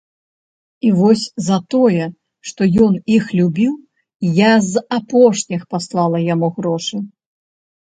І вось за тое, што ён іх любіў, я з апошніх паслала яму грошы.